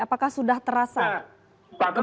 apakah sudah terasa gempa susulan